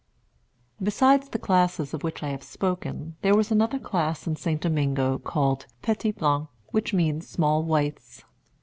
Besides the classes of which I have spoken there was another class in St. Domingo called petit blancs, which means small whites.